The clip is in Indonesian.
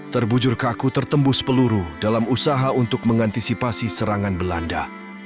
terbujur kaku tertembus peluru dalam usaha untuk mengantisipasi serangan belanda